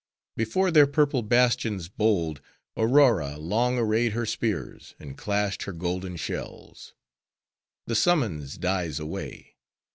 Before their purple bastions bold, Aurora long arrayed her spears, and clashed her golden shells. The summons dies away.